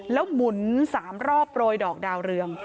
แล้วหมุน๓รอบโปรยดอกดาวเรือง